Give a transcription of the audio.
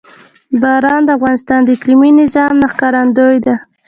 باران د افغانستان د اقلیمي نظام ښکارندوی ده.